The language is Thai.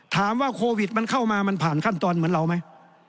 ถามว่าโควิดมันเข้ามามันผ่านขั้นตอนเหมือนเราไหม